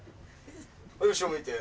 はい後ろ向いて。